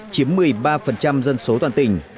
chiếm một mươi ba dân số toàn tỉnh